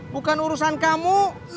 bukan urusan kamu